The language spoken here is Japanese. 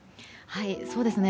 そうですね。